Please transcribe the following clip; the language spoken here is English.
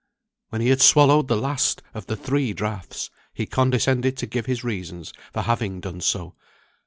When he had swallowed the last of the three draughts, he condescended to give his reasons for having done so.